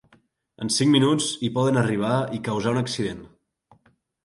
En cinc minuts hi poden arribar i causar un accident.